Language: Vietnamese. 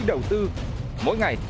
đầu tư mỗi ngày